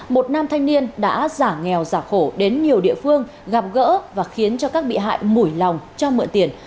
một nam thanh niên đã giả nghèo giả khổ đến nhiều địa phương gặp gỡ và khiến cho các bị hại mùi lòng cho mượn tiền